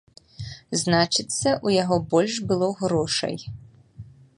Значыцца, у яго больш было грошай.